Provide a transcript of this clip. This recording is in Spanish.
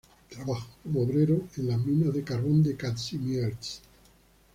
Trabajó como obrero en las minas de carbón de Kazimierz.